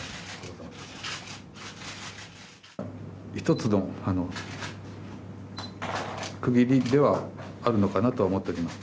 一つの区切りではあるのかなとは思っております。